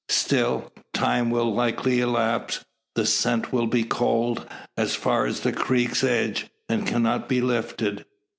Still, time will likely elapse; the scent will be cold, as far as the creek's edge, and cannot be lifted.